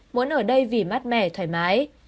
muốn ở đây vì mát mẻ thoải mái